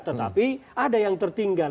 tetapi ada yang tertinggal